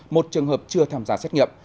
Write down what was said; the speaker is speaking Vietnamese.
một trường hợp chưa tham gia xét nghiệm